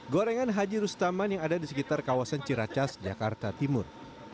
gorengan haji rustaman yang ada di sekitar kawasan ciracas jakarta timur